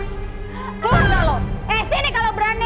keluar gak lo eh sini kalau berani